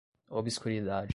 obscuridade